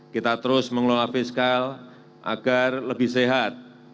kita terus mengelola fiskal agar lebih sehat